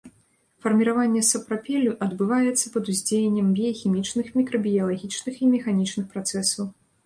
Фарміраванне сапрапелю адбываецца пад уздзеяннем біяхімічных, мікрабіялагічных і механічных працэсаў.